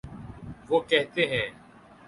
وہ کہتے ہیں۔